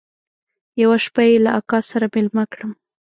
يوه شپه يې له اکا سره ميلمه کړم.